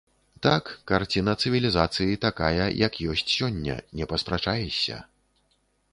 Так, карціна цывілізацыі такая, як ёсць сёння, не паспрачаешся.